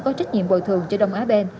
có trách nhiệm bồi thường cho đông á bên